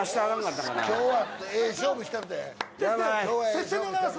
接戦でございます。